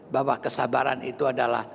bahwa kesabaran itu adalah